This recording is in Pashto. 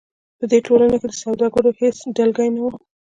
په دې ټولنو کې د سوداګرو هېڅ ډلګۍ نه وه.